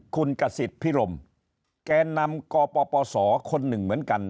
คุณกษิตพิรมแกนนำกปศคนหนึ่งเหมือนกัน